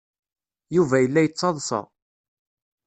Yuba yella yettaḍsa.